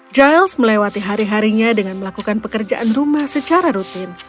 giles melewati hari harinya dengan melakukan pekerjaan rumah secara rutin